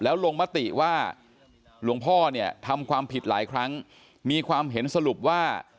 แล้วลงมติว่าหลวงพ่อเนี่ยทำความผิดหลายครั้งมีความเห็นสรุปว่า